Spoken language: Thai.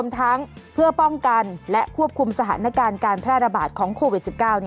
ทั้งเพื่อป้องกันและควบคุมสถานการณ์การแพร่ระบาดของโควิด๑๙